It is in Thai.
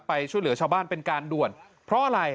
ไปช่วยเหลือชาวบ้านเป็นการด่วนเพราะอะไร